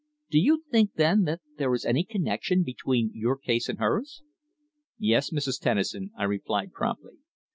Do you think, then, that there is any connexion between your case and hers?" "Yes, Mrs. Tennison," I replied promptly.